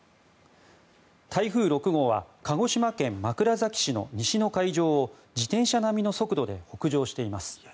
台風６号は鹿児島県枕崎市の西の海上を自転車並みの速度で北上しています。